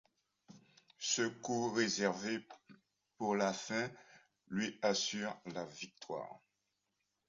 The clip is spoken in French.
Ce coup, réservé pour la fin, lui assure la victoire.